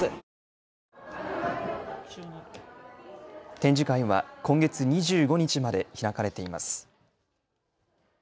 展示会は今月２５日まで開かれています。